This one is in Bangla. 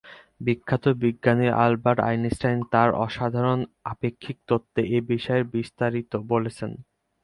বিখ্যাত বিজ্ঞানী আলবার্ট আইনস্টাইন তার সাধারণ আপেক্ষিক তত্ত্বে এ বিষয়ে বিস্তারিত বলেছেন।